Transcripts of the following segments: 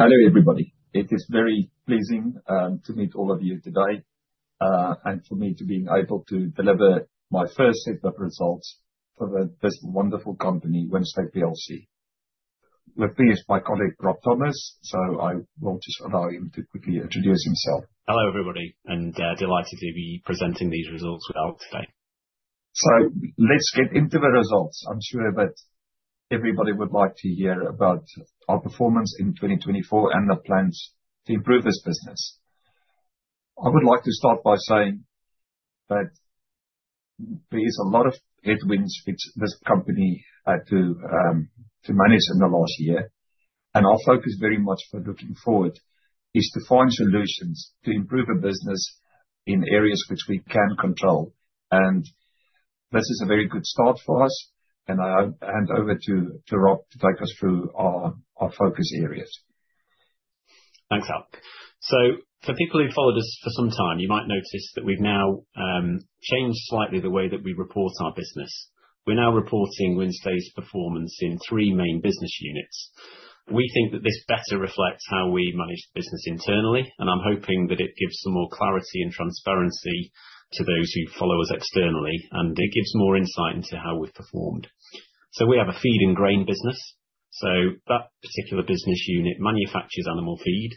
Hello everybody. It is very pleasing to meet all of you today, and for me to be able to deliver my first set of results for the wonderful company Wynnstay Group. With me is my colleague Rob Thomas, so I will just allow him to quickly introduce himself. Hello everybody, and delighted to be presenting these results with Al today. Let's get into the results. I'm sure that everybody would like to hear about our performance in 2024 and the plans to improve this business. I would like to start by saying that there is a lot of headwinds which this company had to manage in the last year, and our focus very much for looking forward is to find solutions to improve a business in areas which we can control. This is a very good start for us, and I hand over to Rob to take us through our focus areas. Thanks, Al. For people who followed us for some time, you might notice that we've now changed slightly the way that we report our business. We're now reporting Wynnstay's performance in three main business units. We think that this better reflects how we manage the business internally, and I'm hoping that it gives some more clarity and transparency to those who follow us externally, and it gives more insight into how we've performed. We have a feed and grain business. That particular business unit manufactures animal feed,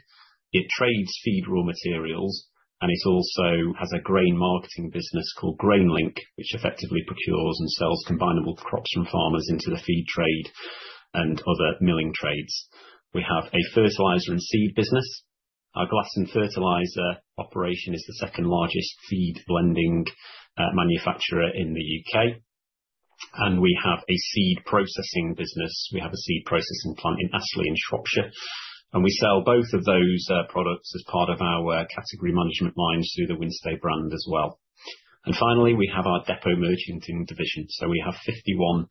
it trades feed raw materials, and it also has a grain marketing business called GrainLink, which effectively procures and sells combineable crops from farmers into the feed trade and other milling trades. We have a fertilizer and seed business. Our Glasson Fertilizers operation is the second largest feed blending manufacturer in the U.K. We have a seed processing business. We have a seed processing plant in Ashley in Shropshire, and we sell both of those products as part of our category management lines through the Wynnstay brand as well. Finally, we have our Depot Merchanting division. We have 51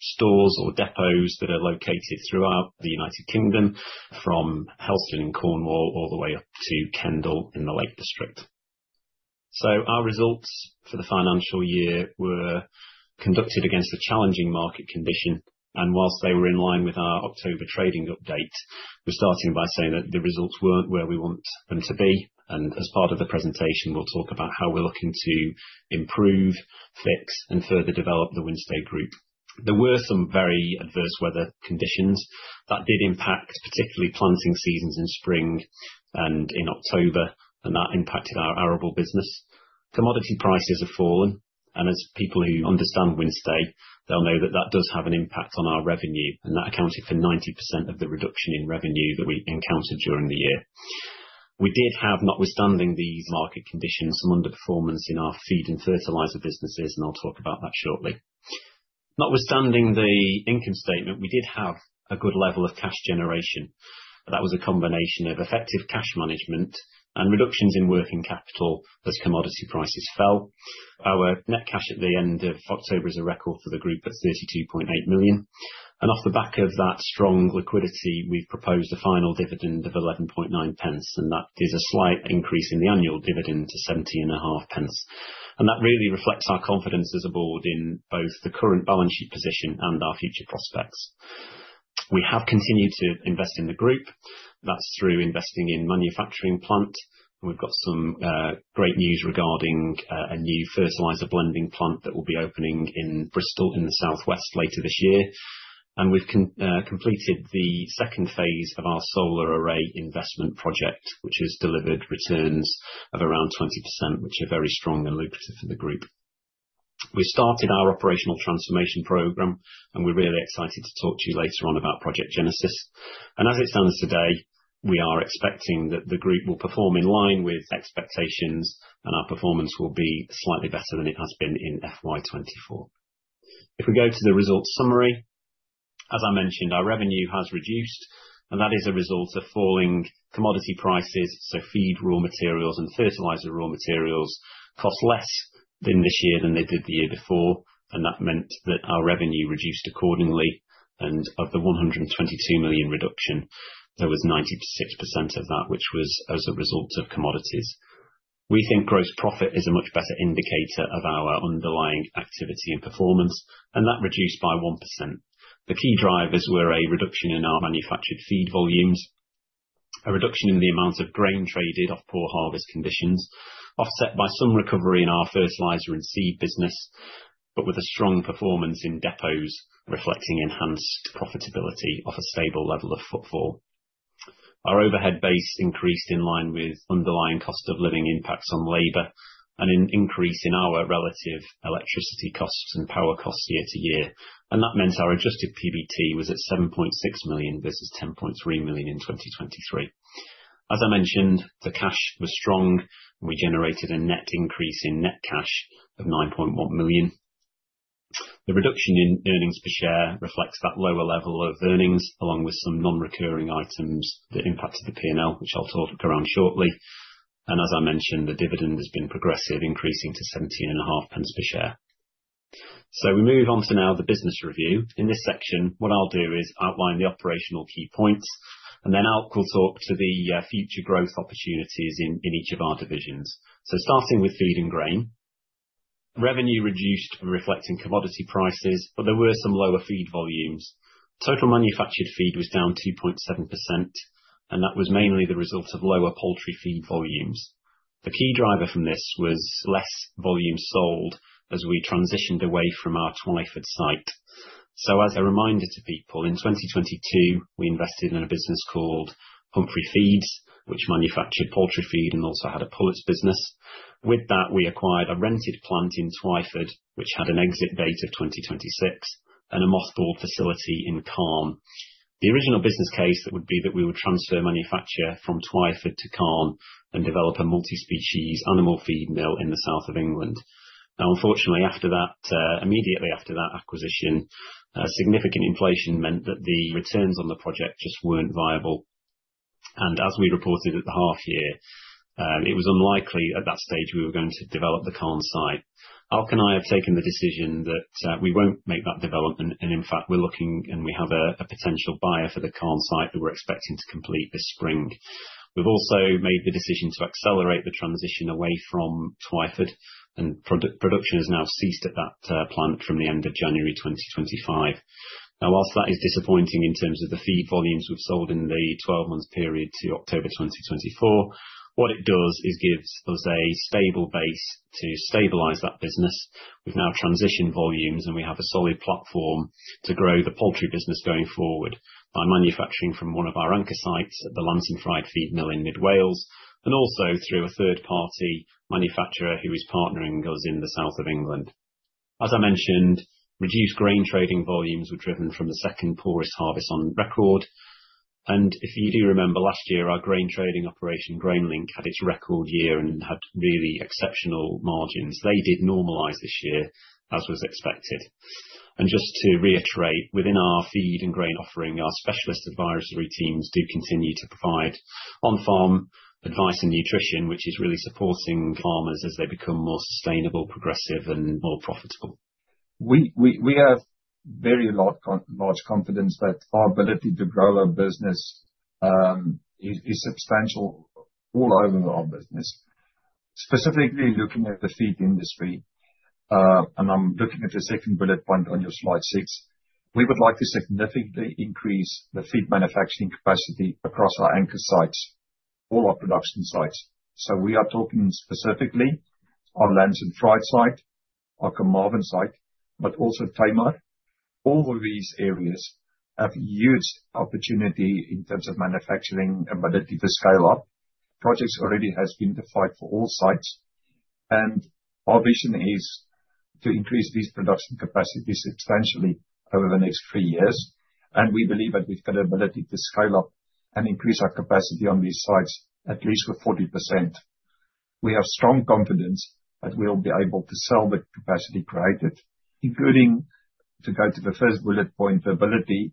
stores or depots that are located throughout the United Kingdom, from Helston in Cornwall all the way up to Kendal in the Lake District. Our results for the financial year were conducted against a challenging market condition, and whilst they were in line with our October trading update, we're starting by saying that the results weren't where we want them to be. As part of the presentation, we'll talk about how we're looking to improve, fix, and further develop the Wynnstay Group. There were some very adverse weather conditions that did impact particularly planting seasons in spring and in October, and that impacted our arable business. Commodity prices have fallen, and as people who understand Wynnstay, they'll know that that does have an impact on our revenue, and that accounted for 90% of the reduction in revenue that we encountered during the year. We did have, notwithstanding these market conditions, some underperformance in our feed and fertilizer businesses, and I'll talk about that shortly. Notwithstanding the income statement, we did have a good level of cash generation. That was a combination of effective cash management and reductions in working capital as commodity prices fell. Our net cash at the end of October is a record for the group at 32.8 million. Off the back of that strong liquidity, we've proposed a final dividend of 0.119, and that is a slight increase in the annual dividend to 0.705. That really reflects our confidence as a board in both the current balance sheet position and our future prospects. We have continued to invest in the group. That's through investing in manufacturing plant. We've got some great news regarding a new fertilizer blending plant that will be opening in Bristol in the southwest later this year. We've completed the second phase of our solar array investment project, which has delivered returns of around 20%, which are very strong and lucrative for the group. We've started our operational transformation program, and we're really excited to talk to you later on about Project Genesis. As it stands today, we are expecting that the group will perform in line with expectations, and our performance will be slightly better than it has been in FY2024. If we go to the results summary, as I mentioned, our revenue has reduced, and that is a result of falling commodity prices. Feed raw materials and fertilizer raw materials cost less this year than they did the year before, and that meant that our revenue reduced accordingly. Of the 122 million reduction, 96% of that was as a result of commodities. We think gross profit is a much better indicator of our underlying activity and performance, and that reduced by 1%. The key drivers were a reduction in our manufactured feed volumes, a reduction in the amount of grain traded off poor harvest conditions, offset by some recovery in our fertilizer and seed business, with a strong performance in depots reflecting enhanced profitability off a stable level of footfall. Our overhead base increased in line with underlying cost of living impacts on labor and an increase in our relative electricity costs and power costs year to year. That meant our adjusted PBT was at 7.6 million versus 10.3 million in 2023. As I mentioned, the cash was strong, and we generated a net increase in net cash of 9.1 million. The reduction in earnings per share reflects that lower level of earnings, along with some non-recurring items that impacted the P&L, which I'll talk around shortly. As I mentioned, the dividend has been progressive, increasing to 17.5 pence per share. We move on now to the business review. In this section, what I'll do is outline the operational key points, and then Al will talk to the future growth opportunities in each of our divisions. Starting with feed and grain, revenue reduced reflecting commodity prices, but there were some lower feed volumes. Total manufactured feed was down 2.7%, and that was mainly the result of lower poultry feed volumes. The key driver from this was less volume sold as we transitioned away from our Twyford site. As a reminder to people, in 2022, we invested in a business called Humphrey Feeds, which manufactured poultry feed and also had a pellets business. With that, we acquired a rented plant in Twyford, which had an exit date of 2026, and a mothballed facility in Calne. The original business case would be that we would transfer manufacture from Twyford to Calne and develop a multi-species animal feed mill in the south of England. Now, unfortunately, after that, immediately after that acquisition, significant inflation meant that the returns on the project just were not viable. As we reported at the half year, it was unlikely at that stage we were going to develop the Calne site. Al and I have taken the decision that we will not make that development, and in fact, we are looking and we have a potential buyer for the Calne site that we are expecting to complete this spring. We've also made the decision to accelerate the transition away from Twyford, and production has now ceased at that plant from the end of January 2025. Now, whilst that is disappointing in terms of the feed volumes we've sold in the 12-month period to October 2024, what it does is gives us a stable base to stabilize that business. We've now transitioned volumes, and we have a solid platform to grow the poultry business going forward by manufacturing from one of our anchor sites at the Llansantfraid Feed Mill in Mid Wales, and also through a third-party manufacturer who is partnering with us in the south of England. As I mentioned, reduced grain trading volumes were driven from the second poorest harvest on record. If you do remember, last year, our grain trading operation, GrainLink, had its record year and had really exceptional margins. They did normalize this year, as was expected. Just to reiterate, within our feed and grain offering, our specialist advisory teams do continue to provide on-farm advice and nutrition, which is really supporting farmers as they become more sustainable, progressive, and more profitable. We have very large confidence that our ability to grow our business is substantial all over our business. Specifically looking at the feed industry, and I'm looking at the second bullet point on your slide six, we would like to significantly increase the feed manufacturing capacity across our anchor sites, all our production sites. We are talking specifically our Llansantfraid site, our Carmarthen site, but also Tamar. All of these areas have huge opportunity in terms of manufacturing ability to scale up. Projects already have been defined for all sites, and our vision is to increase these production capacities substantially over the next three years. We believe that we've got the ability to scale up and increase our capacity on these sites at least with 40%. We have strong confidence that we'll be able to sell the capacity created, including to go to the first bullet point, the ability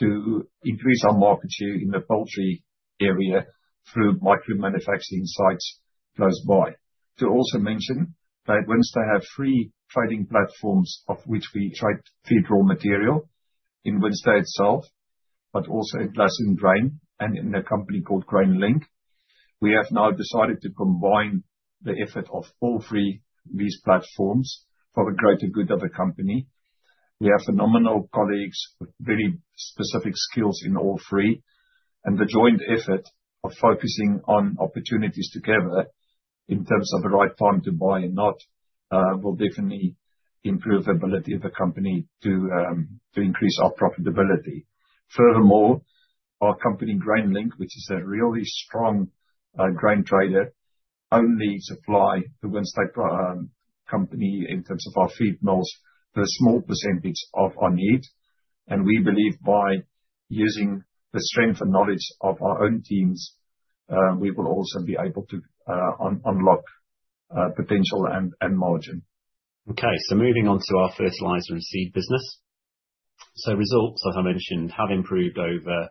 to increase our market share in the poultry area through micro manufacturing sites close by. To also mention that Wynnstay have three trading platforms of which we trade feed raw material in Wynnstay itself, but also in Lansing Grain and in a company called GrainLink. We have now decided to combine the effort of all three of these platforms for the greater good of the company. We have phenomenal colleagues with very specific skills in all three, and the joint effort of focusing on opportunities together in terms of the right time to buy and not will definitely improve the ability of the company to increase our profitability. Furthermore, our company GrainLink, which is a really strong grain trader, only supplies the Wynnstay company in terms of our feed mills to a small percentage of our need. We believe by using the strength and knowledge of our own teams, we will also be able to unlock potential and margin. Okay, moving on to our fertilizer and seed business. Results, as I mentioned, have improved over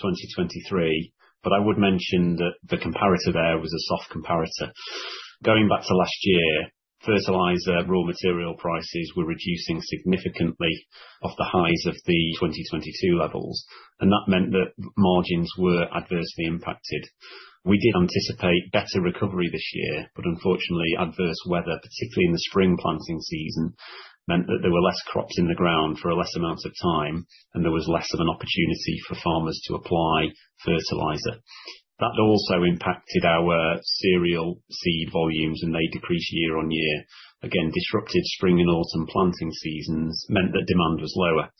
2023, but I would mention that the comparator there was a soft comparator. Going back to last year, fertilizer raw material prices were reducing significantly off the highs of the 2022 levels, and that meant that margins were adversely impacted. We did anticipate better recovery this year, but unfortunately, adverse weather, particularly in the spring planting season, meant that there were fewer crops in the ground for a shorter amount of time, and there was less of an opportunity for farmers to apply fertilizer. That also impacted our cereal seed volumes, and they decreased year on year. Again, disrupted spring and autumn planting seasons meant that demand was lower.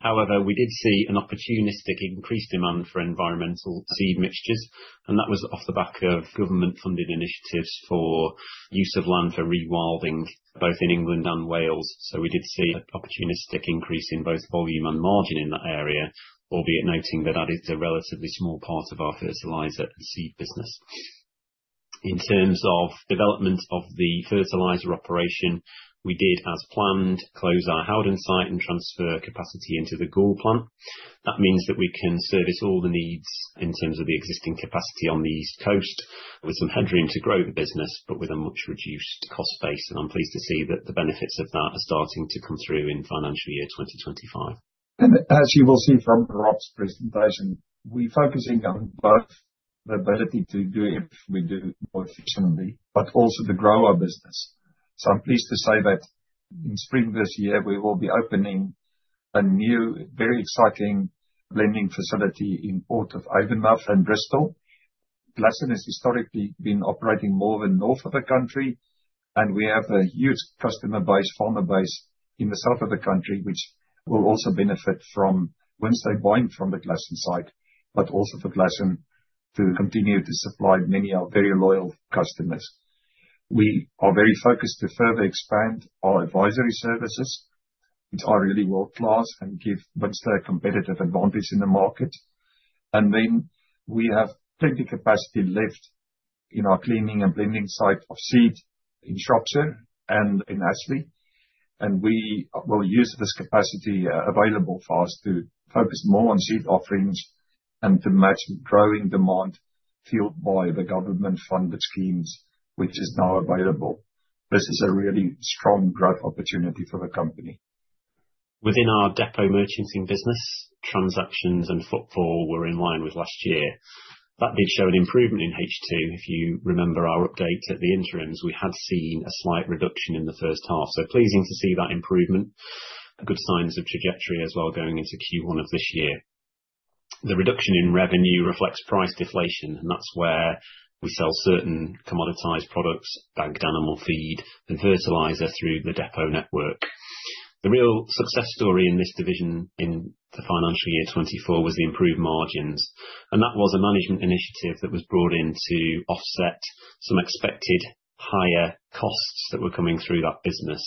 However, we did see an opportunistic increased demand for environmental seed mixtures, and that was off the back of government-funded initiatives for use of land for rewilding both in England and Wales. We did see an opportunistic increase in both volume and margin in that area, albeit noting that that is a relatively small part of our fertilizer and seed business. In terms of development of the fertilizer operation, we did, as planned, close our Howden site and transfer capacity into the Goole plant. That means that we can service all the needs in terms of the existing capacity on the east coast with some headroom to grow the business, but with a much reduced cost base. I am pleased to see that the benefits of that are starting to come through in financial year 2025. As you will see from Rob's presentation, we're focusing on both the ability to do it if we do more efficiently, but also the grower business. I'm pleased to say that in spring this year, we will be opening a new, very exciting blending facility in Port of Avonmouth and Bristol. Glasson has historically been operating more in the north of the country, and we have a huge customer base, farmer base in the south of the country, which will also benefit from Wynnstay buying from the Glasson site, but also for Glasson to continue to supply many of our very loyal customers. We are very focused to further expand our advisory services, which are really world-class and give Wynnstay a competitive advantage in the market. We have plenty of capacity left in our cleaning and blending site of seed in Shropshire and in Ashley. We will use this capacity available for us to focus more on seed offerings and to match growing demand fueled by the government-funded schemes, which is now available. This is a really strong growth opportunity for the company. Within our depot merchanting business, transactions and footfall were in line with last year. That did show an improvement in H2. If you remember our update at the interims, we had seen a slight reduction in the first half. Pleasing to see that improvement, good signs of trajectory as well going into Q1 of this year. The reduction in revenue reflects price deflation, and that is where we sell certain commoditized products, bagged animal feed, and fertilizer through the depot network. The real success story in this division in the financial year 2024 was the improved margins. That was a management initiative that was brought in to offset some expected higher costs that were coming through that business.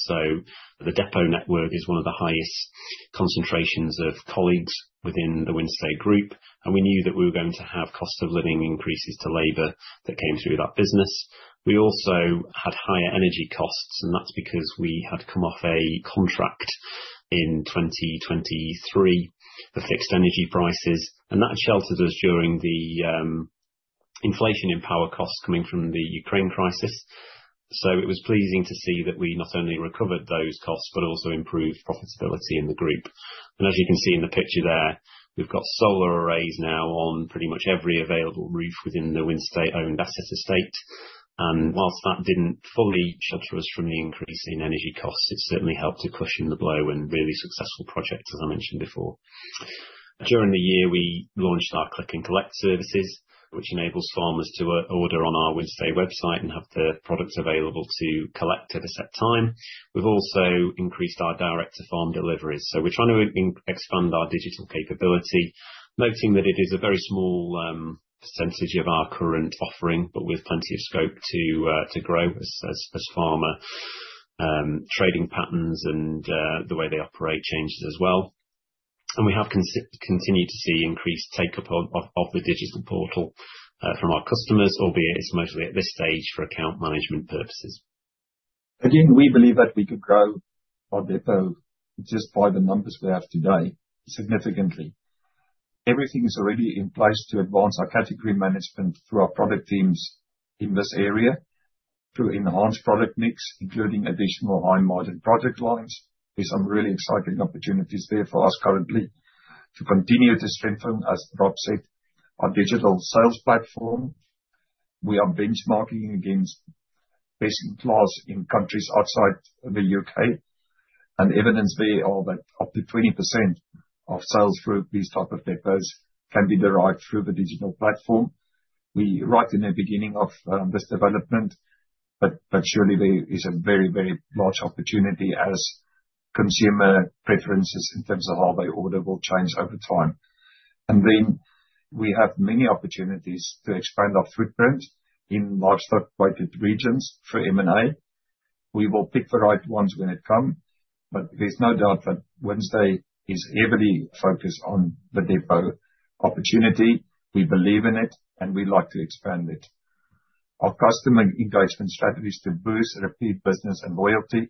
The depot network is one of the highest concentrations of colleagues within the Wynnstay Group, and we knew that we were going to have cost of living increases to labor that came through that business. We also had higher energy costs, and that's because we had come off a contract in 2023 for fixed energy prices, and that sheltered us during the inflation in power costs coming from the Ukraine crisis. It was pleasing to see that we not only recovered those costs, but also improved profitability in the group. As you can see in the picture there, we've got solar arrays now on pretty much every available roof within the Wynnstay-owned asset estate. Whilst that didn't fully shelter us from the increase in energy costs, it certainly helped to cushion the blow and really successful projects, as I mentioned before. During the year, we launched our click and collect services, which enables farmers to order on our Wynnstay website and have the products available to collect at a set time. We've also increased our direct-to-farm deliveries. We are trying to expand our digital capability, noting that it is a very small percentage of our current offering, but with plenty of scope to grow as farmer trading patterns and the way they operate changes as well. We have continued to see increased take-up of the digital portal from our customers, albeit it's mostly at this stage for account management purposes. Again, we believe that we could grow our depot just by the numbers we have today significantly. Everything is already in place to advance our category management through our product teams in this area, through enhanced product mix, including additional high-margin project lines. There are some really exciting opportunities there for us currently to continue to strengthen, as Rob said, our digital sales platform. We are benchmarking against best in class in countries outside the U.K., and evidence thereof that up to 20% of sales through these types of depots can be derived through the digital platform. We are right in the beginning of this development, but surely there is a very, very large opportunity as consumer preferences in terms of how they order will change over time. We have many opportunities to expand our footprint in livestock-weighted regions for M&A. We will pick the right ones when it comes, but there's no doubt that Wynnstay is heavily focused on the depot opportunity. We believe in it, and we'd like to expand it. Our customer engagement strategies to boost repeat business and loyalty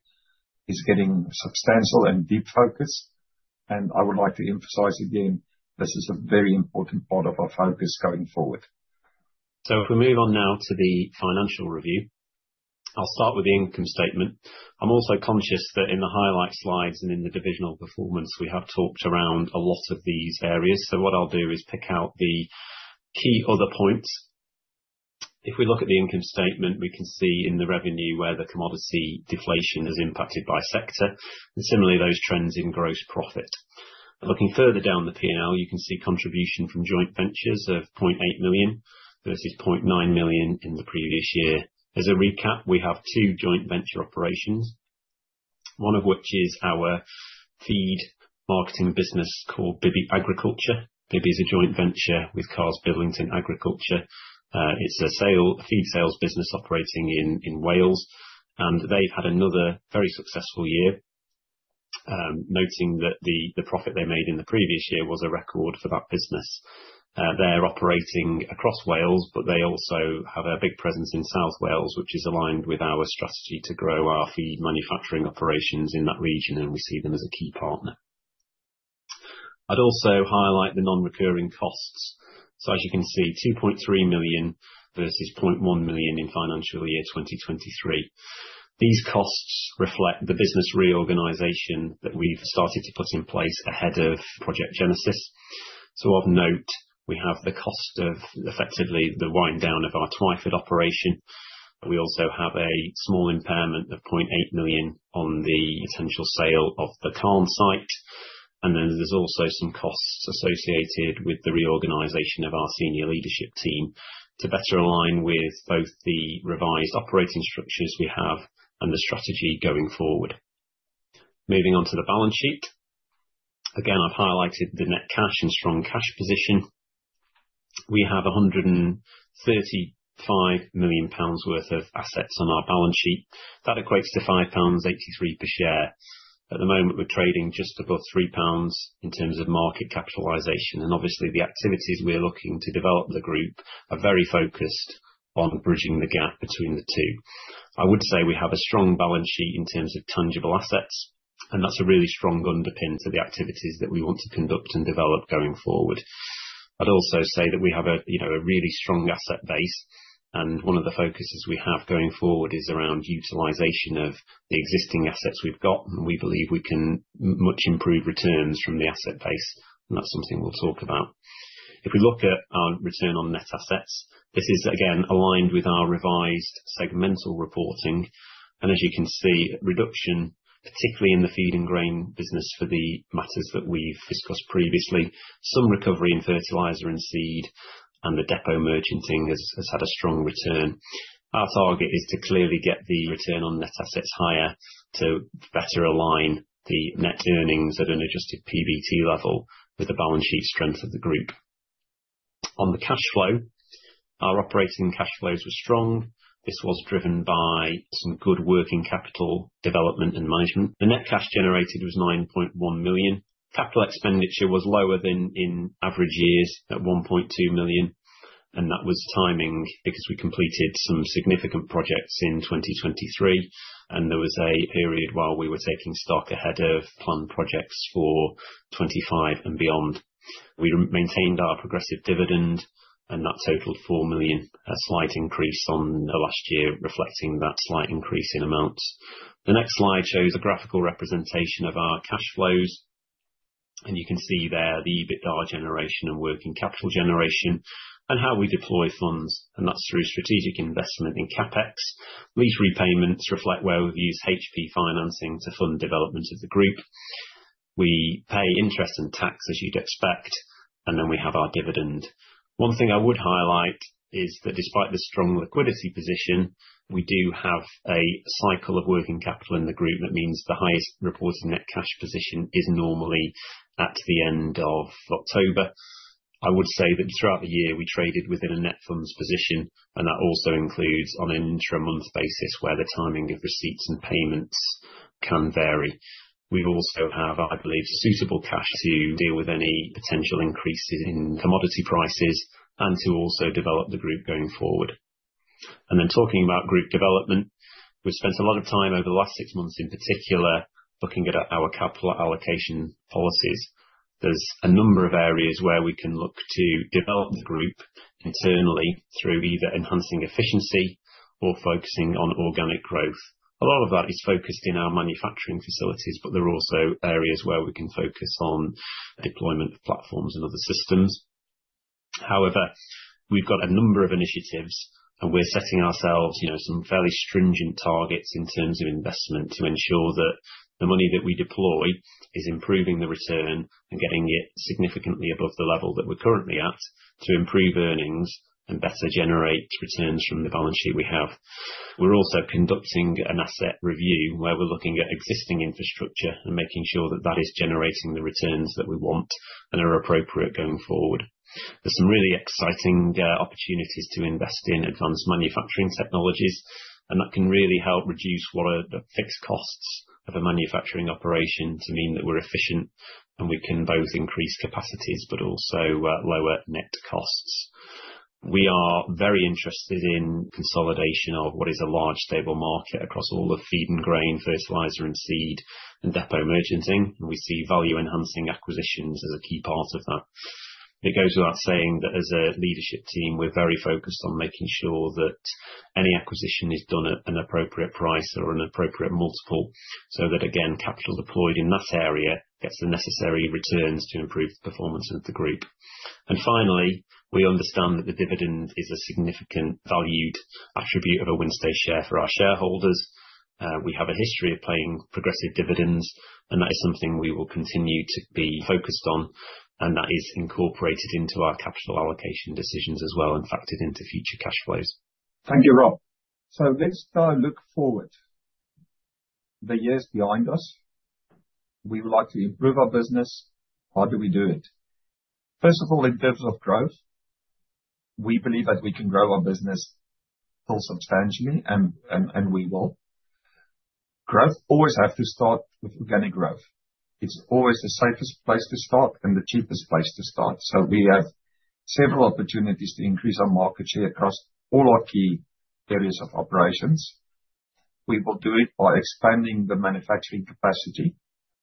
are getting substantial and deep focus. I would like to emphasize again, this is a very important part of our focus going forward. If we move on now to the financial review, I'll start with the income statement. I'm also conscious that in the highlight slides and in the divisional performance, we have talked around a lot of these areas. What I'll do is pick out the key other points. If we look at the income statement, we can see in the revenue where the commodity deflation is impacted by sector, and similarly, those trends in gross profit. Looking further down the P&L, you can see contribution from joint ventures of 0.8 million versus 0.9 million in the previous year. As a recap, we have two joint venture operations, one of which is our feed marketing business called Bibby Agriculture. Bibby is a joint venture with Carr's Billington Agriculture. It's a feed sales business operating in Wales, and they've had another very successful year, noting that the profit they made in the previous year was a record for that business. They're operating across Wales, but they also have a big presence in South Wales, which is aligned with our strategy to grow our feed manufacturing operations in that region, and we see them as a key partner. I'd also highlight the non-recurring costs. As you can see, 2.3 million versus 0.1 million in financial year 2023. These costs reflect the business reorganization that we've started to put in place ahead of Project Genesis. Of note, we have the cost of effectively the wind down of our Twyford operation. We also have a small impairment of 0.8 million on the potential sale of the Calne site. There are also some costs associated with the reorganization of our senior leadership team to better align with both the revised operating structures we have and the strategy going forward. Moving on to the balance sheet. Again, I have highlighted the net cash and strong cash position. We have 135 million pounds worth of assets on our balance sheet. That equates to 5.83 pounds per share. At the moment, we are trading just above 3 pounds in terms of market capitalization. Obviously, the activities we are looking to develop the group are very focused on bridging the gap between the two. I would say we have a strong balance sheet in terms of tangible assets, and that is a really strong underpin to the activities that we want to conduct and develop going forward. I'd also say that we have a really strong asset base, and one of the focuses we have going forward is around utilization of the existing assets we've got. We believe we can much improve returns from the asset base, and that's something we'll talk about. If we look at our return on net assets, this is again aligned with our revised segmental reporting. As you can see, reduction, particularly in the feed and grain business for the matters that we've discussed previously, some recovery in fertilizer and seed, and the depot merchanting has had a strong return. Our target is to clearly get the return on net assets higher to better align the net earnings at an adjusted PBT level with the balance sheet strength of the group. On the cash flow, our operating cash flows were strong. This was driven by some good working capital development and management. The net cash generated was 9.1 million. Capital expenditure was lower than in average years at 1.2 million. That was timing because we completed some significant projects in 2023, and there was a period while we were taking stock ahead of planned projects for 2025 and beyond. We maintained our progressive dividend, and that totaled 4 million, a slight increase on the last year, reflecting that slight increase in amounts. The next slide shows a graphical representation of our cash flows. You can see there the EBITDA generation and working capital generation and how we deploy funds, and that is through strategic investment in CapEx. These repayments reflect where we have used HP financing to fund development of the group. We pay interest and tax, as you would expect, and then we have our dividend. One thing I would highlight is that despite the strong liquidity position, we do have a cycle of working capital in the group. That means the highest reported net cash position is normally at the end of October. I would say that throughout the year, we traded within a net funds position, and that also includes on an intramonth basis where the timing of receipts and payments can vary. We also have, I believe, suitable cash to deal with any potential increases in commodity prices and to also develop the group going forward. Talking about group development, we've spent a lot of time over the last six months in particular looking at our capital allocation policies. There are a number of areas where we can look to develop the group internally through either enhancing efficiency or focusing on organic growth. A lot of that is focused in our manufacturing facilities, but there are also areas where we can focus on deployment of platforms and other systems. However, we've got a number of initiatives, and we're setting ourselves some fairly stringent targets in terms of investment to ensure that the money that we deploy is improving the return and getting it significantly above the level that we're currently at to improve earnings and better generate returns from the balance sheet we have. We're also conducting an asset review where we're looking at existing infrastructure and making sure that that is generating the returns that we want and are appropriate going forward. There's some really exciting opportunities to invest in advanced manufacturing technologies, and that can really help reduce what are the fixed costs of a manufacturing operation to mean that we're efficient and we can both increase capacities, but also lower net costs. We are very interested in consolidation of what is a large stable market across all of feed and grain, fertilizer and seed, and depot merchanting. We see value-enhancing acquisitions as a key part of that. It goes without saying that as a leadership team, we're very focused on making sure that any acquisition is done at an appropriate price or an appropriate multiple so that, again, capital deployed in that area gets the necessary returns to improve the performance of the group. Finally, we understand that the dividend is a significant valued attribute of a Wynnstay share for our shareholders. We have a history of paying progressive dividends, and that is something we will continue to be focused on, and that is incorporated into our capital allocation decisions as well and factored into future cash flows. Thank you, Rob. Let's look forward. The year's behind us, we would like to improve our business. How do we do it? First of all, in terms of growth, we believe that we can grow our business substantially, and we will. Growth always has to start with organic growth. It's always the safest place to start and the cheapest place to start. We have several opportunities to increase our market share across all our key areas of operations. We will do it by expanding the manufacturing capacity.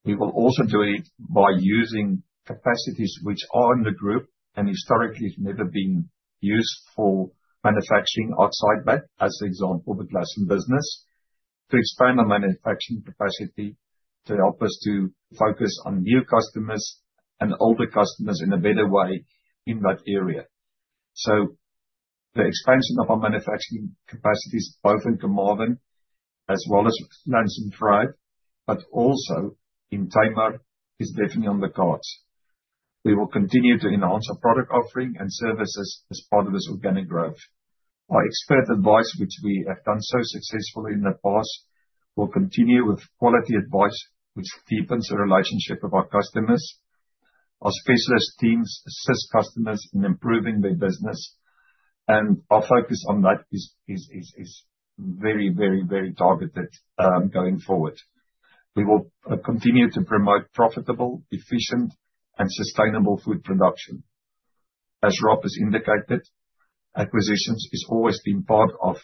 We will also do it by using capacities which are in the group and historically have never been used for manufacturing outside that, as an example, the Glasson business, to expand our manufacturing capacity to help us to focus on new customers and older customers in a better way in that area. The expansion of our manufacturing capacities, both in [Comarvin as well as Lansing Drive], but also in Tamar is definitely on the cards. We will continue to enhance our product offering and services as part of this organic growth. Our expert advice, which we have done so successfully in the past, will continue with quality advice, which deepens the relationship with our customers. Our specialist teams assist customers in improving their business, and our focus on that is very, very, very targeted going forward. We will continue to promote profitable, efficient, and sustainable food production. As Rob has indicated, acquisitions have always been part of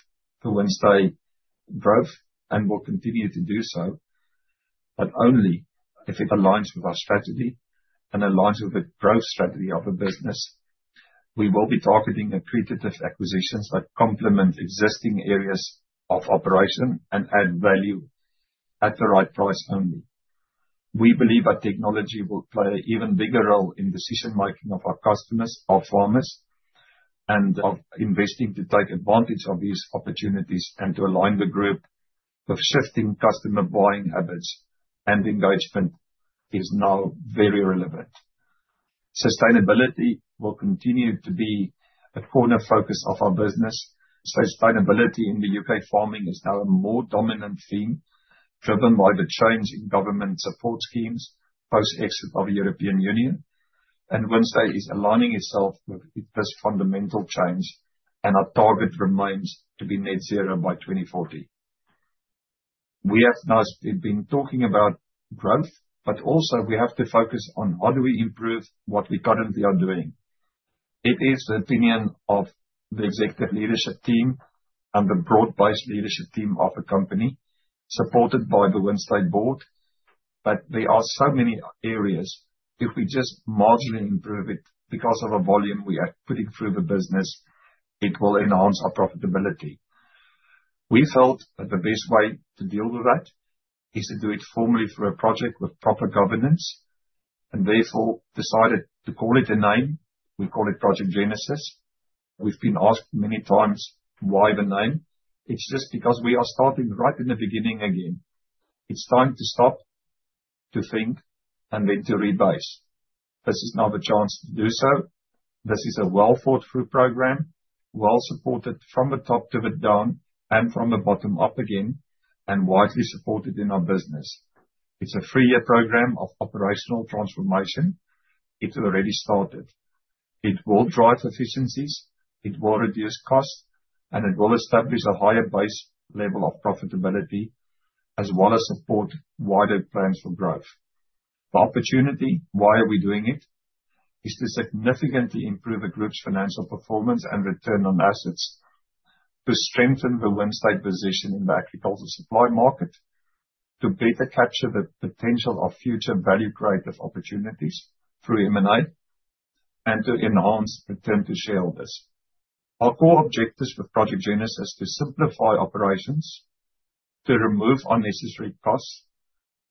the Wynnstay growth and will continue to do so, but only if it aligns with our strategy and aligns with the growth strategy of a business. We will be targeting accretive acquisitions that complement existing areas of operation and add value at the right price only. We believe our technology will play an even bigger role in decision-making of our customers, our farmers, and of investing to take advantage of these opportunities and to align the group with shifting customer buying habits. Engagement is now very relevant. Sustainability will continue to be a core focus of our business. Sustainability in U.K. farming is now a more dominant theme driven by the change in government support schemes post-exit of the European Union, and Wynnstay is aligning itself with this fundamental change, and our target remains to be net zero by 2040. We have now been talking about growth, but also we have to focus on how do we improve what we currently are doing. It is the opinion of the executive leadership team and the broad-based leadership team of the company supported by the Wynnstay Board, but there are so many areas. If we just marginally improve it because of a volume we are putting through the business, it will enhance our profitability. We felt that the best way to deal with that is to do it formally through a project with proper governance, and therefore decided to call it a name. We call it Project Genesis. We've been asked many times why the name. It's just because we are starting right in the beginning again. It's time to stop, to think, and then to rebase. This is now the chance to do so. This is a well-thought-through program, well-supported from the top to the down and from the bottom up again, and widely supported in our business. It's a three-year program of operational transformation. It's already started. It will drive efficiencies, it will reduce costs, and it will establish a higher base level of profitability as well as support wider plans for growth. The opportunity, why are we doing it? It's to significantly improve a group's financial performance and return on assets, to strengthen the Wynnstay position in the agriculture supply market, to better capture the potential of future value creative opportunities through M&I, and to enhance return to shareholders. Our core objectives with Project Genesis are to simplify operations, to remove unnecessary costs,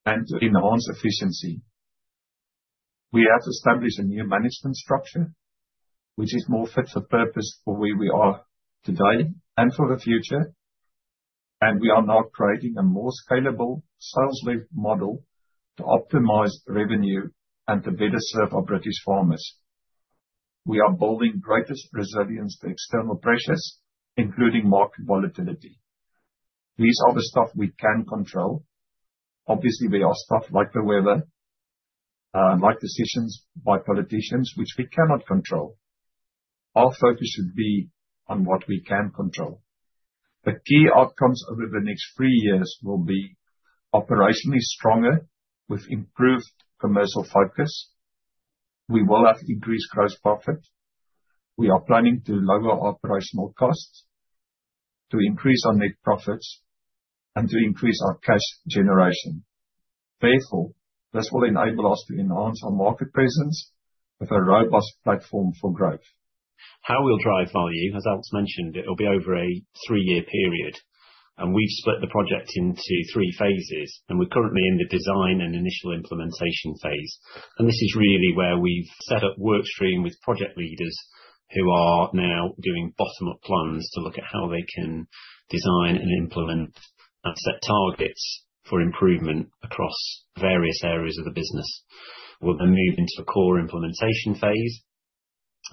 and to enhance efficiency. We have established a new management structure, which is more fit for purpose for where we are today and for the future. We are now creating a more scalable sales model to optimize revenue and to better serve our British farmers. We are building greater resilience to external pressures, including market volatility. These are the stuff we can control. Obviously, there are stuff like the weather, like decisions by politicians, which we cannot control. Our focus should be on what we can control. The key outcomes over the next three years will be operationally stronger with improved commercial focus. We will have increased gross profit. We are planning to lower operational costs, to increase our net profits, and to increase our cash generation. Therefore, this will enable us to enhance our market presence with a robust platform for growth. How we'll drive value, as Alex mentioned, it'll be over a three-year period. We have split the project into three phases, and we're currently in the design and initial implementation phase. This is really where we've set up workstream with project leaders who are now doing bottom-up plans to look at how they can design and implement and set targets for improvement across various areas of the business. We'll then move into a core implementation phase.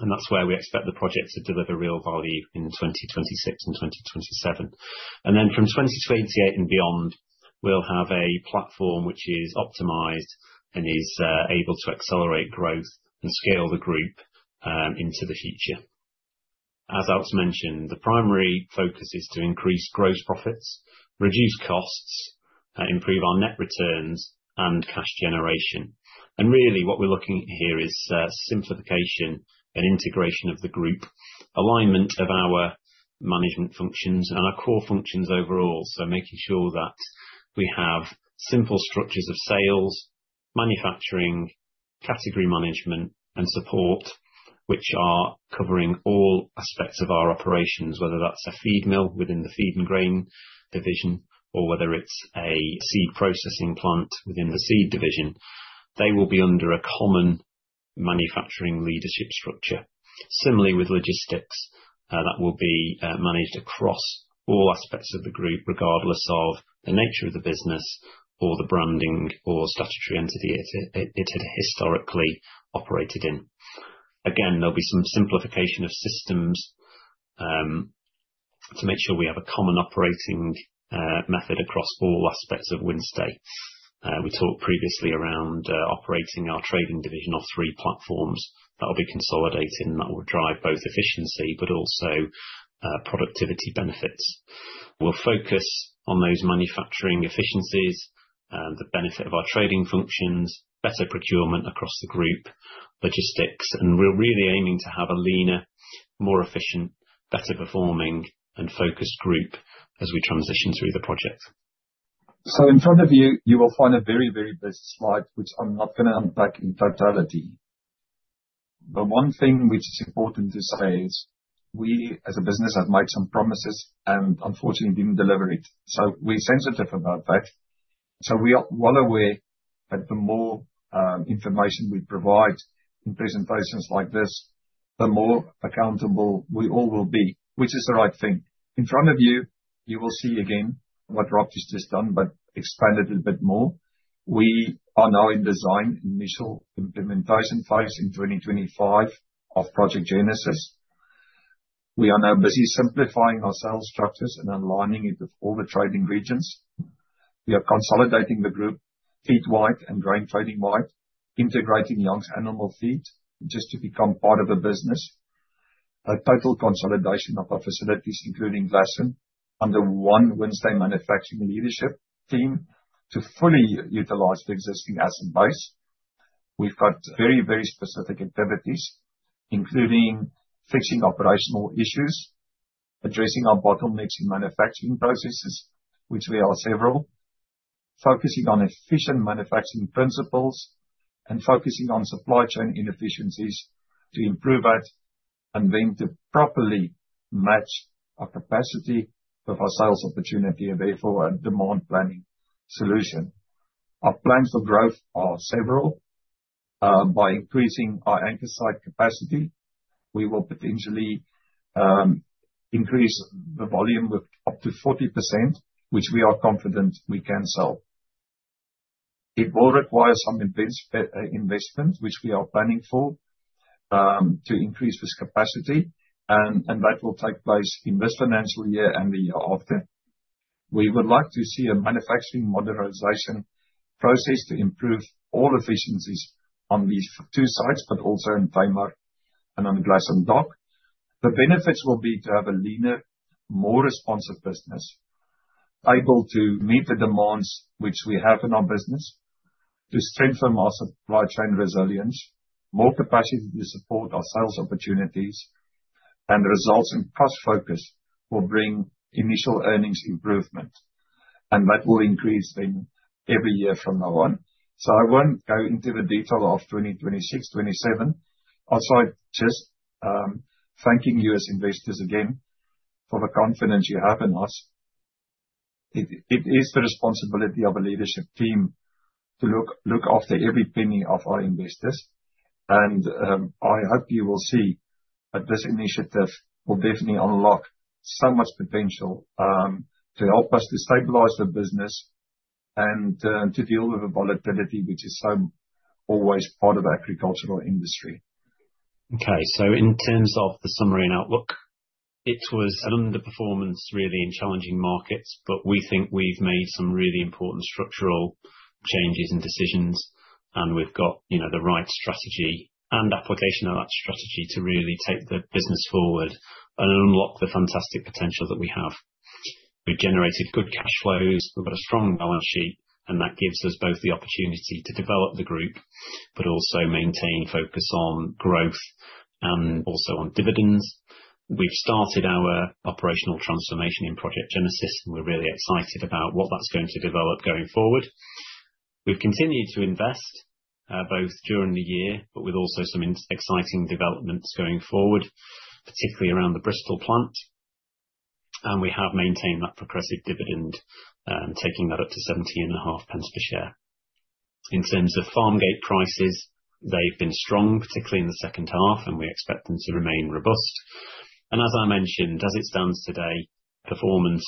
That's where we expect the project to deliver real value in 2026 and 2027. From 2028 and beyond, we'll have a platform which is optimized and is able to accelerate growth and scale the group into the future. As Alex mentioned, the primary focus is to increase gross profits, reduce costs, improve our net returns, and cash generation. What we're looking at here is simplification and integration of the group, alignment of our management functions and our core functions overall, so making sure that we have simple structures of sales, manufacturing, category management, and support, which are covering all aspects of our operations, whether that's a feed mill within the feed and grain division or whether it's a seed processing plant within the seed division. They will be under a common manufacturing leadership structure. Similarly, with logistics, that will be managed across all aspects of the group, regardless of the nature of the business or the branding or statutory entity it had historically operated in. Again, there will be some simplification of systems to make sure we have a common operating method across all aspects of Wynnstay. We talked previously around operating our trading division off three platforms that will be consolidated and that will drive both efficiency, but also productivity benefits. We will focus on those manufacturing efficiencies, the benefit of our trading functions, better procurement across the group, logistics, and we are really aiming to have a leaner, more efficient, better performing, and focused group as we transition through the project. In front of you, you will find a very, very busy slide, which I am not going to unpack in totality. One thing which is important to say is we, as a business, have made some promises and unfortunately did not deliver it. We are sensitive about that. We are well aware that the more information we provide in presentations like this, the more accountable we all will be, which is the right thing. In front of you, you will see again what Rob has just done, but expanded a little bit more. We are now in design initial implementation phase in 2025 of Project Genesis. We are now busy simplifying our sales structures and aligning it with all the trading regions. We are consolidating the group, feed wide and grain trading wide, integrating young animal feed just to become part of a business. A total consolidation of our facilities, including Glasson, under one Wynnstay manufacturing leadership team to fully utilize the existing asset base. We've got very, very specific activities, including fixing operational issues, addressing our bottlenecks in manufacturing processes, which we are several, focusing on efficient manufacturing principles, and focusing on supply chain inefficiencies to improve it and then to properly match our capacity with our sales opportunity and therefore our demand planning solution. Our plans for growth are several. By increasing our anchor site capacity, we will potentially increase the volume with up to 40%, which we are confident we can sell. It will require some investment, which we are planning for, to increase this capacity, and that will take place in this financial year and the year after. We would like to see a manufacturing modernization process to improve all efficiencies on these two sites, but also in Tamar and on Glasson Dock. The benefits will be to have a leaner, more responsive business, able to meet the demands which we have in our business, to strengthen our supply chain resilience, more capacity to support our sales opportunities, and results and cost focus will bring initial earnings improvement, and that will increase then every year from now on. I will not go into the detail of 2026, 2027. I'll say just thanking you as investors again for the confidence you have in us. It is the responsibility of a leadership team to look after every penny of our investors, and I hope you will see that this initiative will definitely unlock so much potential to help us to stabilize the business and to deal with the volatility, which is so always part of the agricultural industry. Okay, so in terms of the summary and outlook, it was an underperformance really in challenging markets, but we think we've made some really important structural changes and decisions, and we've got the right strategy and application of that strategy to really take the business forward and unlock the fantastic potential that we have. We've generated good cash flows, we've got a strong balance sheet, and that gives us both the opportunity to develop the group, but also maintain focus on growth and also on dividends. We've started our operational transformation in Project Genesis, and we're really excited about what that's going to develop going forward. We've continued to invest both during the year, but with also some exciting developments going forward, particularly around the Bristol plant, and we have maintained that progressive dividend, taking that up to 17.5 per share. In terms of farm gate prices, they've been strong, particularly in the second half, and we expect them to remain robust. As I mentioned, as it stands today, performance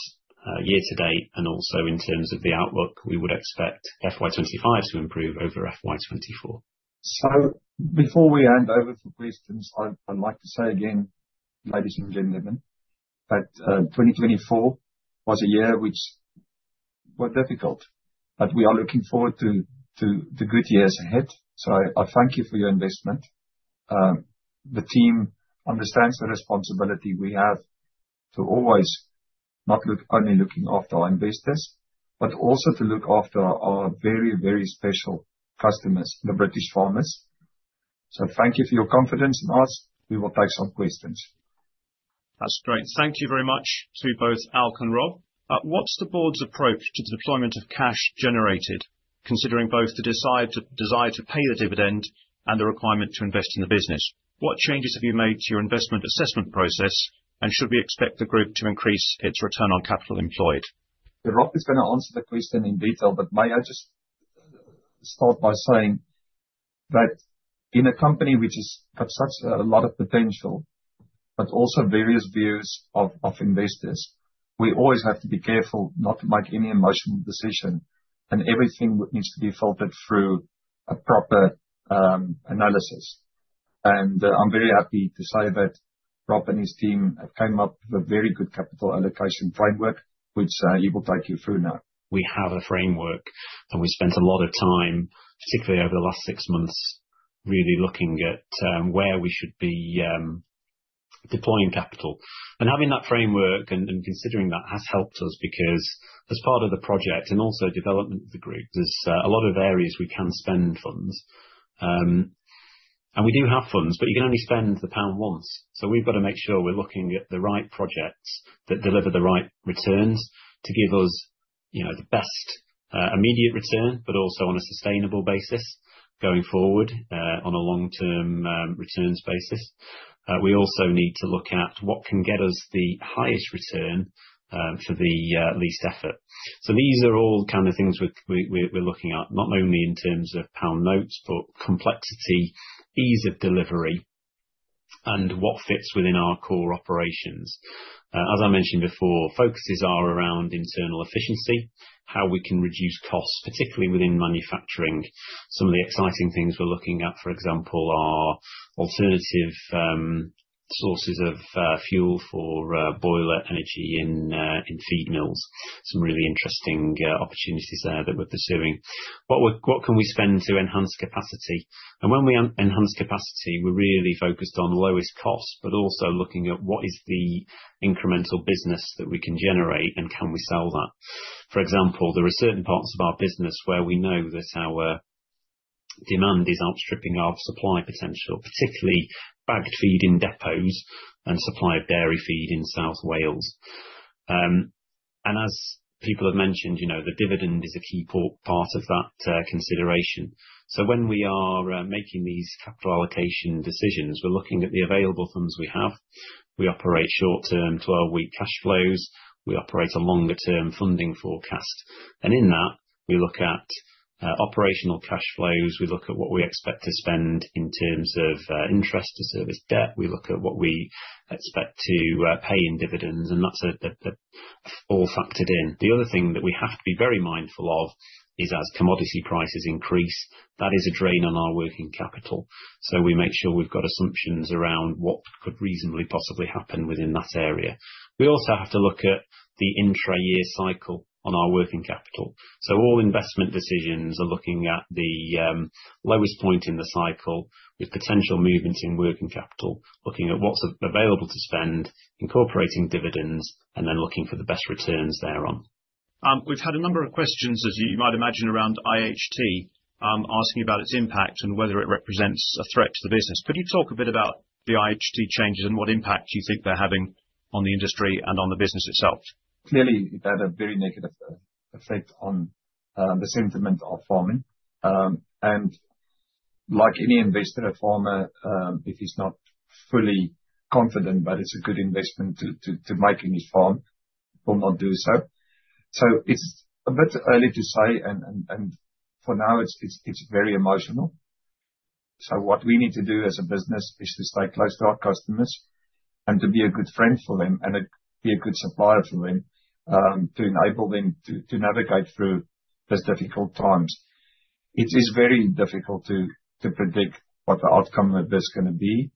year to date, and also in terms of the outlook, we would expect FY25 to improve over FY24. Before we hand over for questions, I'd like to say again, ladies and gentlemen, that 2024 was a year which was difficult, but we are looking forward to good years ahead. I thank you for your investment. The team understands the responsibility we have to always not only look after our investors, but also to look after our very, very special customers, the British farmers. Thank you for your confidence in us. We will take some questions. That's great. Thank you very much to both Alk and Rob. What's the board's approach to the deployment of cash generated, considering both the desire to pay the dividend and the requirement to invest in the business? What changes have you made to your investment assessment process, and should we expect the group to increase its return on capital employed? Rob is going to answer the question in detail, but may I just start by saying that in a company which has got such a lot of potential, but also various views of investors, we always have to be careful not to make any emotional decision, and everything needs to be filtered through a proper analysis. I am very happy to say that Rob and his team have come up with a very good capital allocation framework, which he will take you through now. We have a framework, and we spent a lot of time, particularly over the last six months, really looking at where we should be deploying capital. Having that framework and considering that has helped us because as part of the project and also development of the group, there's a lot of areas we can spend funds. We do have funds, but you can only spend the pound once. We have to make sure we're looking at the right projects that deliver the right returns to give us the best immediate return, but also on a sustainable basis going forward on a long-term returns basis. We also need to look at what can get us the highest return for the least effort. These are all kind of things we're looking at, not only in terms of pound notes, but complexity, ease of delivery, and what fits within our core operations. As I mentioned before, focuses are around internal efficiency, how we can reduce costs, particularly within manufacturing. Some of the exciting things we're looking at, for example, are alternative sources of fuel for boiler energy in feed mills. Some really interesting opportunities there that we're pursuing. What can we spend to enhance capacity? And when we enhance capacity, we're really focused on lowest costs, but also looking at what is the incremental business that we can generate and can we sell that. For example, there are certain parts of our business where we know that our demand is outstripping our supply potential, particularly bagged feed in depots and supply of dairy feed in South Wales. As people have mentioned, the dividend is a key part of that consideration. When we are making these capital allocation decisions, we're looking at the available funds we have. We operate short-term 12-week cash flows. We operate a longer-term funding forecast. In that, we look at operational cash flows. We look at what we expect to spend in terms of interest to service debt. We look at what we expect to pay in dividends, and that's all factored in. The other thing that we have to be very mindful of is as commodity prices increase, that is a drain on our working capital. We make sure we've got assumptions around what could reasonably possibly happen within that area. We also have to look at the intra-year cycle on our working capital. All investment decisions are looking at the lowest point in the cycle with potential movements in working capital, looking at what's available to spend, incorporating dividends, and then looking for the best returns thereon. We've had a number of questions, as you might imagine, around IHT, asking about its impact and whether it represents a threat to the business. Could you talk a bit about the IHT changes and what impact you think they're having on the industry and on the business itself? Clearly, they had a very negative effect on the sentiment of farming. Like any investor, a farmer, if he's not fully confident that it's a good investment to make in his farm, will not do so. It is a bit early to say, and for now, it's very emotional. What we need to do as a business is to stay close to our customers and to be a good friend for them and be a good supplier for them to enable them to navigate through those difficult times. It is very difficult to predict what the outcome of this is going to be.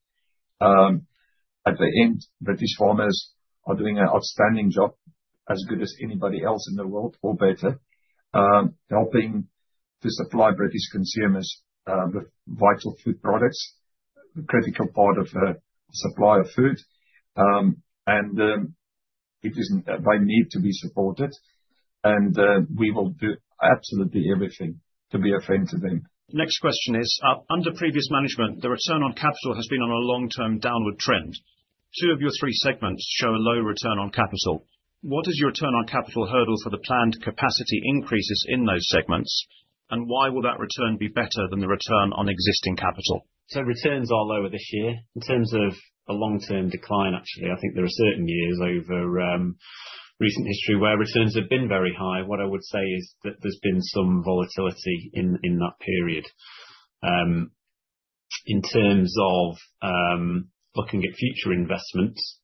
At the end, British farmers are doing an outstanding job, as good as anybody else in the world, or better, helping to supply British consumers with vital food products, a critical part of the supply of food. They need to be supported, and we will do absolutely everything to be a friend to them. Next question is, under previous management, the return on capital has been on a long-term downward trend. Two of your three segments show a low return on capital. What is your return on capital hurdle for the planned capacity increases in those segments, and why will that return be better than the return on existing capital? Returns are lower this year. In terms of a long-term decline, actually, I think there are certain years over recent history where returns have been very high. What I would say is that there has been some volatility in that period. In terms of looking at future investments,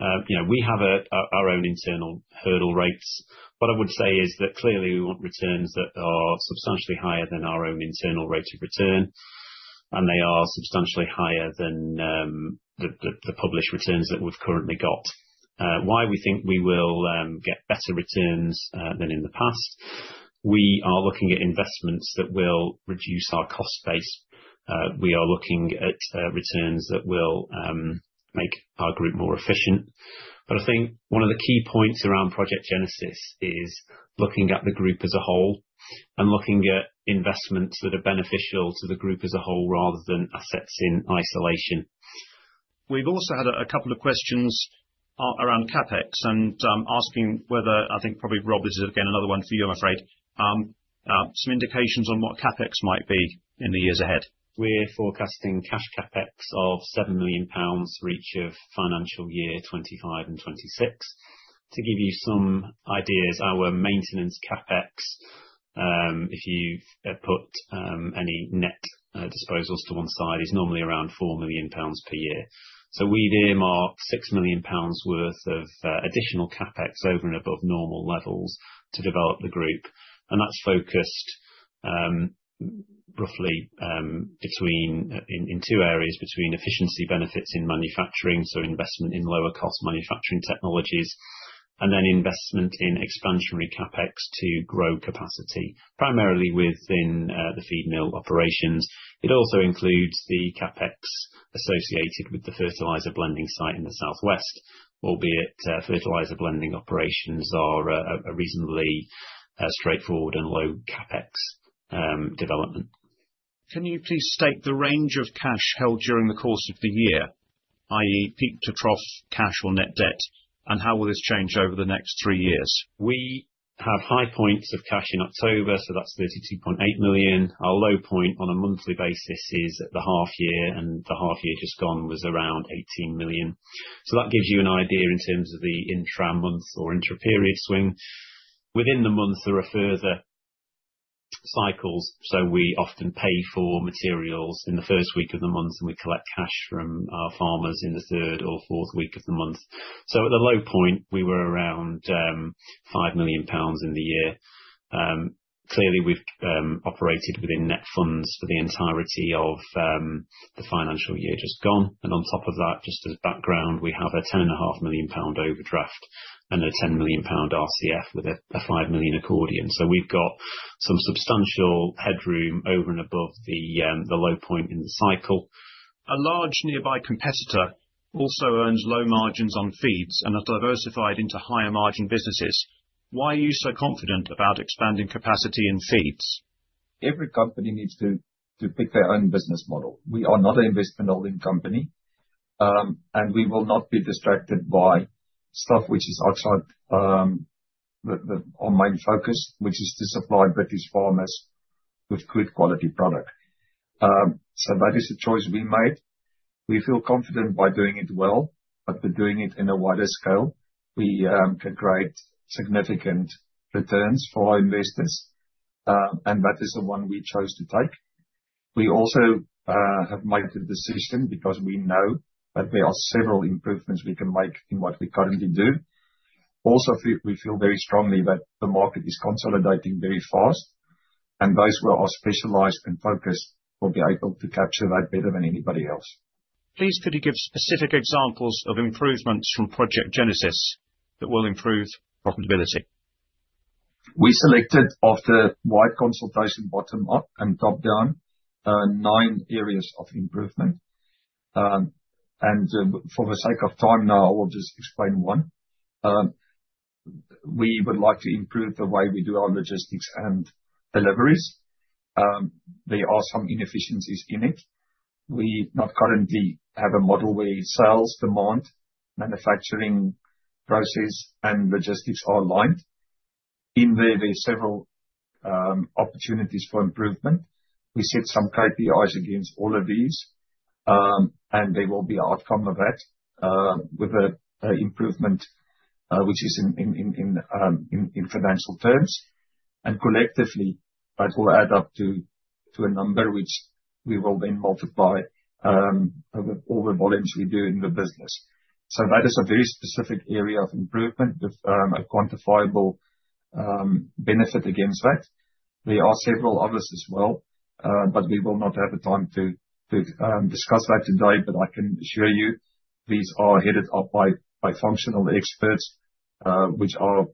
we have our own internal hurdle rates. What I would say is that clearly we want returns that are substantially higher than our own internal rate of return, and they are substantially higher than the published returns that we have currently got. Why we think we will get better returns than in the past, we are looking at investments that will reduce our cost base. We are looking at returns that will make our group more efficient. I think one of the key points around Project Genesis is looking at the group as a whole and looking at investments that are beneficial to the group as a whole rather than assets in isolation. We've also had a couple of questions around CapEx and asking whether, I think probably Rob, this is again another one for you, I'm afraid, some indications on what CapEx might be in the years ahead. We're forecasting cash CapEx of 7 million pounds for each of financial year 2025 and 2026. To give you some ideas, our maintenance CapEx, if you put any net disposals to one side, is normally around 4 million pounds per year. We deem our 6 million pounds worth of additional CapEx over and above normal levels to develop the group. That is focused roughly in two areas, between efficiency benefits in manufacturing, so investment in lower-cost manufacturing technologies, and then investment in expansionary CapEx to grow capacity, primarily within the feed mill operations. It also includes the CapEx associated with the fertilizer blending site in the Southwest, albeit fertilizer blending operations are a reasonably straightforward and low CapEx development. Can you please state the range of cash held during the course of the year, i.e., peak to trough cash or net debt, and how will this change over the next three years? We have high points of cash in October, so that's 32.8 million. Our low point on a monthly basis is at the half year, and the half year just gone was around 18 million. That gives you an idea in terms of the intra-month or intraperiod swing. Within the month, there are further cycles. We often pay for materials in the first week of the month, and we collect cash from our farmers in the third or fourth week of the month. At the low point, we were around 5 million pounds in the year. Clearly, we've operated within net funds for the entirety of the financial year just gone. On top of that, just as background, we have a 10.5 million pound overdraft and a 10 million pound RCF with a 5 million accordion. We have some substantial headroom over and above the low point in the cycle. A large nearby competitor also earns low margins on feeds and are diversified into higher margin businesses. Why are you so confident about expanding capacity in feeds? Every company needs to pick their own business model. We are not an investment-oriented company, and we will not be distracted by stuff which is outside our main focus, which is to supply British farmers with good quality product. That is a choice we made. We feel confident by doing it well, but by doing it in a wider scale, we can create significant returns for our investors. That is the one we chose to take. We also have made the decision because we know that there are several improvements we can make in what we currently do. Also, we feel very strongly that the market is consolidating very fast, and those who are specialized and focused will be able to capture that better than anybody else. Please could you give specific examples of improvements from Project Genesis that will improve profitability? We selected off the wide consultation bottom up and top down nine areas of improvement. For the sake of time now, I will just explain one. We would like to improve the way we do our logistics and deliveries. There are some inefficiencies in it. We not currently have a model where sales, demand, manufacturing process, and logistics are aligned. In there, there are several opportunities for improvement. We set some KPIs against all of these, and there will be an outcome of that with an improvement, which is in financial terms. Collectively, that will add up to a number which we will then multiply over volumes we do in the business. That is a very specific area of improvement with a quantifiable benefit against that. There are several others as well, but we will not have the time to discuss that today. I can assure you, these are headed up by functional experts which are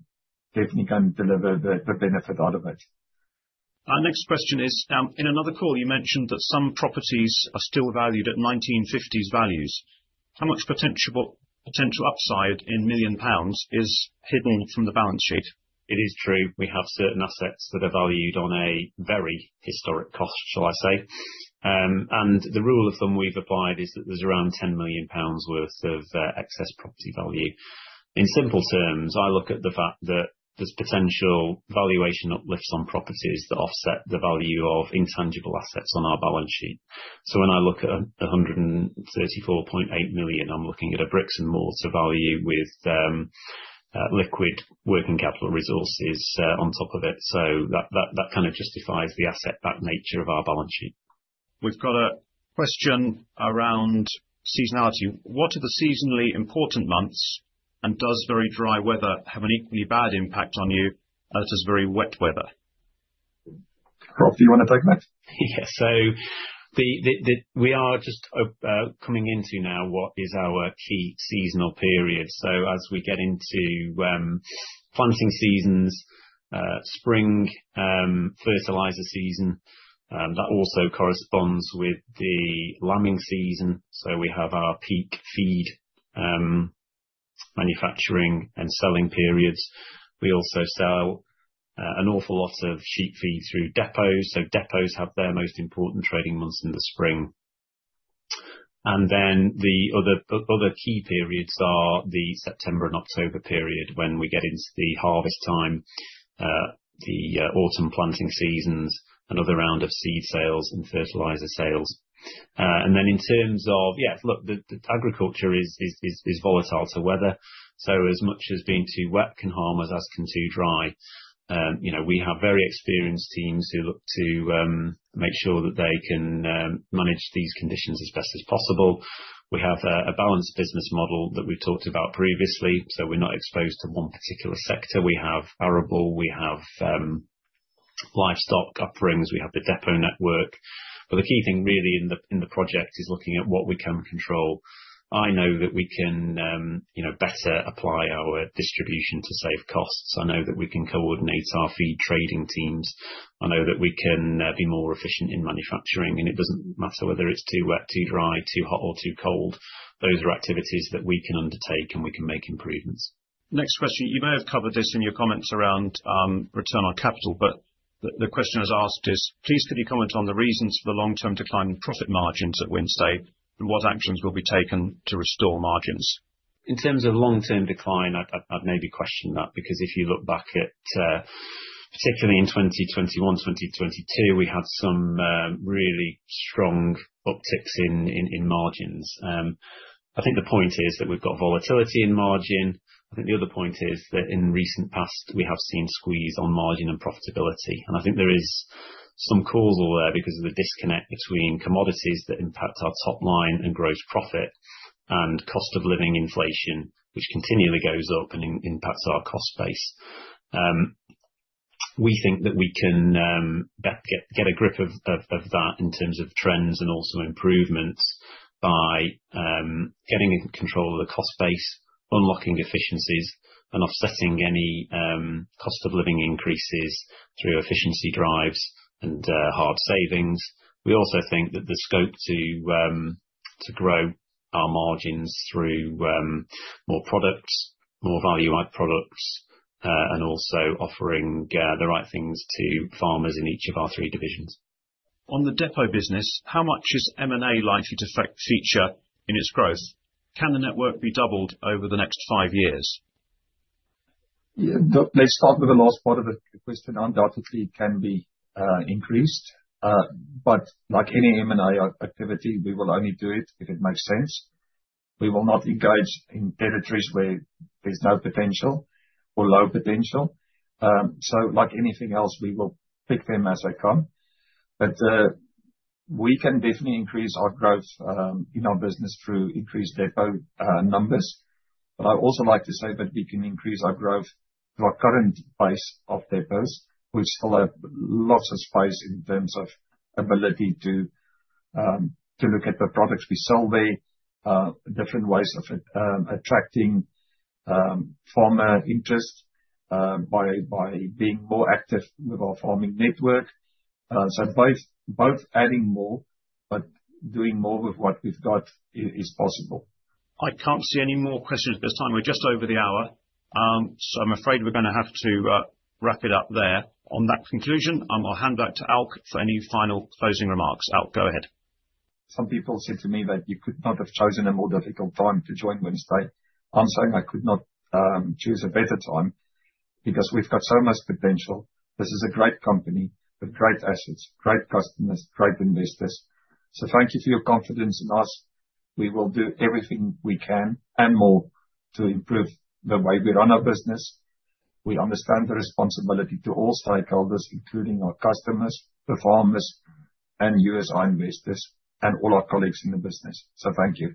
definitely going to deliver the benefit out of it. Our next question is, in another call, you mentioned that some properties are still valued at 1950s values. How much potential upside in million pounds is hidden from the balance sheet? It is true. We have certain assets that are valued on a very historic cost, shall I say. The rule of thumb we've applied is that there's around 10 million pounds worth of excess property value. In simple terms, I look at the fact that there's potential valuation uplifts on properties that offset the value of intangible assets on our balance sheet. When I look at 134.8 million, I'm looking at a bricks-and-mortar value with liquid working capital resources on top of it. That kind of justifies the asset-backed nature of our balance sheet. We've got a question around seasonality. What are the seasonally important months, and does very dry weather have an equally bad impact on you as does very wet weather? Rob, do you want to take that? Yeah. We are just coming into now what is our key seasonal period. As we get into planting seasons, spring fertilizer season, that also corresponds with the lambing season. We have our peak feed manufacturing and selling periods. We also sell an awful lot of sheep feed through depots. Depots have their most important trading months in the spring. The other key periods are the September and October period when we get into the harvest time, the autumn planting seasons, another round of seed sales and fertilizer sales. In terms of, yeah, look, agriculture is volatile to weather. As much as being too wet can harm us as can too dry, we have very experienced teams who look to make sure that they can manage these conditions as best as possible. We have a balanced business model that we've talked about previously. We are not exposed to one particular sector. We have arable, we have livestock upbrings, we have the depot network. The key thing really in the project is looking at what we can control. I know that we can better apply our distribution to save costs. I know that we can coordinate our feed trading teams. I know that we can be more efficient in manufacturing. It does not matter whether it is too wet, too dry, too hot, or too cold. Those are activities that we can undertake and we can make improvements. Next question. You may have covered this in your comments around return on capital, but the question I was asked is, please give your comment on the reasons for the long-term decline in profit margins at Wynnstay and what actions will be taken to restore margins. In terms of long-term decline, I'd maybe question that because if you look back at particularly in 2021, 2022, we had some really strong upticks in margins. I think the point is that we've got volatility in margin. I think the other point is that in recent past, we have seen squeeze on margin and profitability. I think there is some causal there because of the disconnect between commodities that impact our top line and gross profit and cost of living inflation, which continually goes up and impacts our cost base. We think that we can get a grip of that in terms of trends and also improvements by getting control of the cost base, unlocking efficiencies, and offsetting any cost of living increases through efficiency drives and hard savings. We also think that the scope to grow our margins through more products, more value-added products, and also offering the right things to farmers in each of our three divisions. On the depot business, how much is M&A likely to feature in its growth? Can the network be doubled over the next five years? Yeah, let's start with the last part of the question. Undoubtedly, it can be increased. Like any M&A activity, we will only do it if it makes sense. We will not engage in territories where there's no potential or low potential. Like anything else, we will pick them as they come. We can definitely increase our growth in our business through increased depot numbers. I'd also like to say that we can increase our growth through our current base of depots, which still have lots of space in terms of ability to look at the products we sell there, different ways of attracting farmer interest by being more active with our farming network. Both adding more, but doing more with what we've got is possible. I can't see any more questions at this time. We're just over the hour. I'm afraid we're going to have to wrap it up there. On that conclusion, I'll hand back to Alk for any final closing remarks. Alk, go ahead. Some people said to me that you could not have chosen a more difficult time to join Wynnstay. I'm saying I could not choose a better time because we've got so much potential. This is a great company with great assets, great customers, great investors. Thank you for your confidence in us. We will do everything we can and more to improve the way we run our business. We understand the responsibility to all stakeholders, including our customers, the farmers, and our investors, and all our colleagues in the business. Thank you.